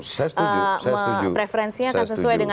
preferensinya akan sesuai dengan apa yang kita preferensikan